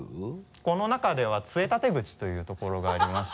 この中では杖立口というところがありまして。